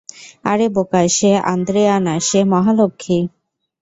আরে বোকা, সে আন্দ্রেয়া না, সে মহালক্ষী।